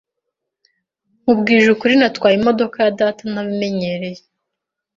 Nkubwije ukuri, natwaye imodoka ya data ntabinyemereye.